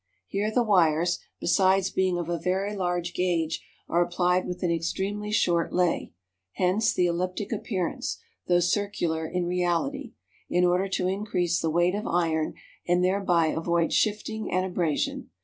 Here the wires, besides being of a very large gauge, are applied with an extremely short lay (hence the elliptic appearance, though circular in reality), in order to increase the weight of iron, and thereby avoid shifting and abrasion.